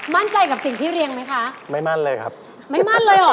กับสิ่งที่เรียงไหมคะไม่มั่นเลยครับไม่มั่นเลยเหรอ